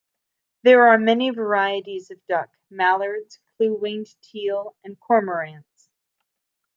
There are many varieties of duck; mallards, clue-winged teal, and cormorants.